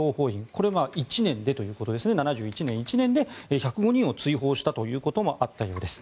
これが１年でということですね７１年の１年で１０５人を追放したということもあったようです。